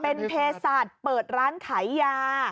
เป็นเพศศาสตร์เปิดร้านขายยา